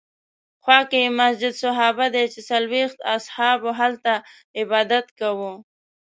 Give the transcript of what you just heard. خوا کې یې مسجد صحابه دی چې څلوېښت اصحابو هلته عبادت کاوه.